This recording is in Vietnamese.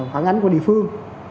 phản ánh của địa phương